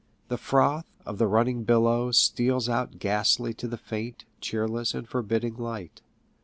The froth of the running billows steals out ghastly to the faint, cheerless, and forbidding light.